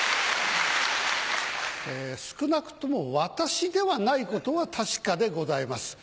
少なくとも私ではないことは確かでございます。